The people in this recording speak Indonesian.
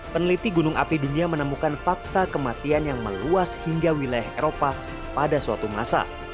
peneliti gunung api dunia menemukan fakta kematian yang meluas hingga wilayah eropa pada suatu masa